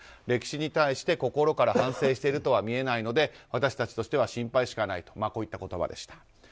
歴史に対して心から反省しているとは見えないので私たちとしては心配しかないといった言葉でした。